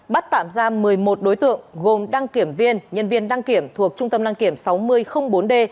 bắt tạm ra một mươi một đối tượng gồm đăng kiểm viên nhân viên đăng kiểm thuộc trung tâm đăng kiểm sáu nghìn bốn d